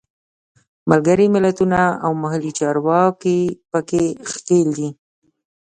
ملګري ملتونه او محلي چارواکي په کې ښکېل دي.